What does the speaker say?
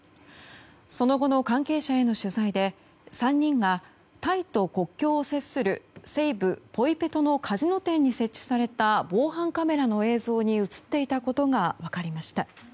その後の関係者への取材で３人がタイと国境を接する西部ポイペトのカジノ店に設置された防犯カメラの映像に映っていたことが分かりました。